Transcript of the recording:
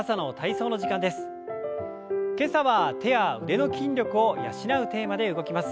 今朝は手や腕の筋力を養うテーマで動きます。